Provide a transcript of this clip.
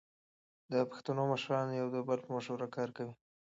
د پښتنو مشران د یو بل په مشوره کار کوي.